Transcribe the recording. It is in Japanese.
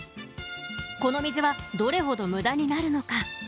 この水はどれほど無駄になるのか。